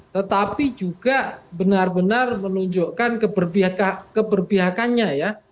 tetapi juga benar benar menunjukkan keberpihakannya ya